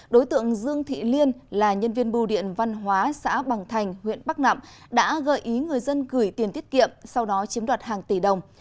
đối tượng dương thị liên là nhân viên bưu điện văn hóa xã bằng thành huyện bắc nẵm đã gợi ý người dân gửi tiền tiết kiệm sau đó chiếm đoạt hàng tỷ đồng